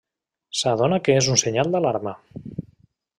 S'adona que és un senyal d'alarma.